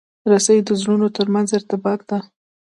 رسۍ د زړونو ترمنځ ارتباط ده.